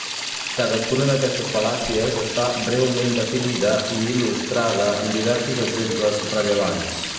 Cadascuna d'aquestes fal·làcies està breument definida i il·lustrada amb diversos exemples rellevants.